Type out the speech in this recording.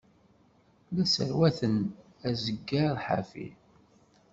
La nesserwat azeggar ḥafi.